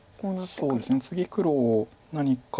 そうですね次黒何か。